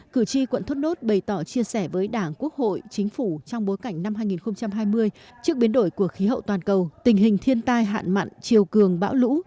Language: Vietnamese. cử tri quận thốt nốt bày tỏ chia sẻ với đảng quốc hội chính phủ trong bối cảnh năm hai nghìn hai mươi trước biến đổi của khí hậu toàn cầu tình hình thiên tai hạn mặn chiều cường bão lũ